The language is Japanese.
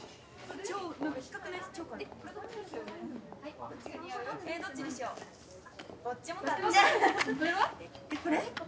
これ？